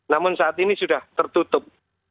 namun saat ini sudah tertutup